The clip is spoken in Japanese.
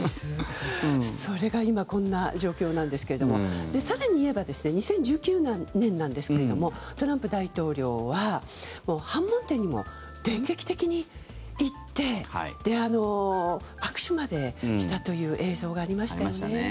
それが今、こんな状況なんですけれども更に言えば２０１９年なんですけどもトランプ大統領は板門店にも電撃的に行って握手までしたという映像がありましたよね。